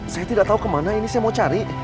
saya tidak tahu kemana ini saya mau cari